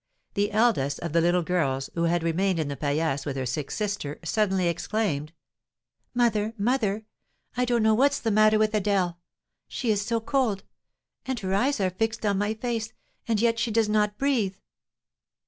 The eldest of the little girls, who had remained in the paillasse with her sick sister, suddenly exclaimed: "Mother! mother! I don't know what's the matter with Adèle! She is so cold, and her eyes are fixed on my face, and yet she does not breathe."